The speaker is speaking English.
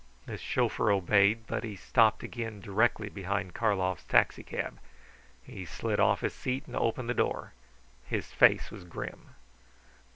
The chauffeur obeyed, but he stopped again directly behind Karlov's taxicab. He slid off his seat and opened the door. His face was grim.